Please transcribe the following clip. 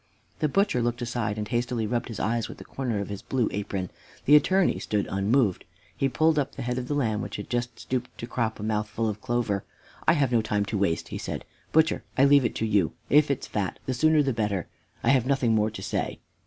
The butcher looked aside, and hastily rubbed his eyes with the corner of his blue apron. The Attorney stood unmoved; he pulled up the head of the lamb, which had just stooped to crop a mouthful of clover. "I have no time to waste," he said. "Butcher, I leave it to you. If it's fat the sooner the better. I've nothing more to say."